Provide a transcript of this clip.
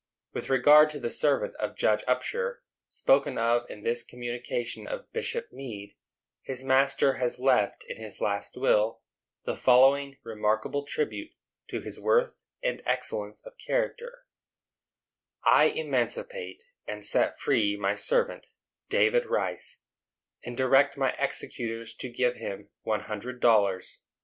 With regard to the servant of Judge Upshur, spoken of in this communication of Bishop Meade, his master has left, in his last will, the following remarkable tribute to his worth and excellence of character: I emancipate and set free my servant, David Rice, and direct my executors to give him one hundred dollars.